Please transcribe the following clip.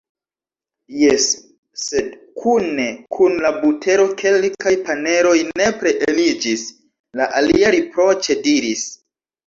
"Jes, sed kune kun la butero kelkaj paneroj nepre eniĝis," la alia riproĉe diris.